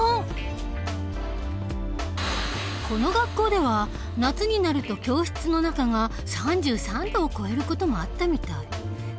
この学校では夏になると教室の中が３３度を超える事もあったみたい。